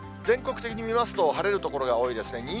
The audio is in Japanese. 全国的に見ますと、晴れる所が多いですね。